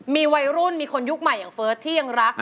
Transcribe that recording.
มีวัยรุ่นมีคนยุคใหม่อย่างเฟิร์สที่ยังรัก